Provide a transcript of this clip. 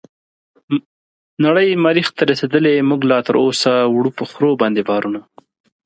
نړۍ مريح ته رسيدلې موږ لا تراوسه وړو په خرو باندې بارونه